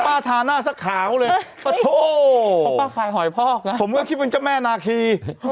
แล้วป้าทาหน้าสักขาวเลยป้าโท้ป้าคลายหอยพอกนะผมก็คิดเป็นเจ้าแม่นาคี